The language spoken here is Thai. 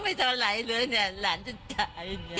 ไม่สเตอร์ไลห์เลยเนี่ยหลานฉันฉาย